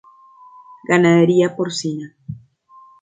Ganadería porcina.